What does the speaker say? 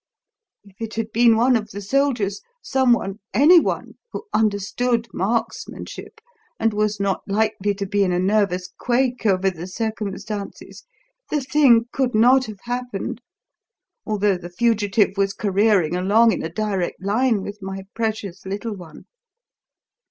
If it had been one of the soldiers, someone anyone who understood marksmanship and was not likely to be in a nervous quake over the circumstances, the thing could not have happened, although the fugitive was careering along in a direct line with my precious little one.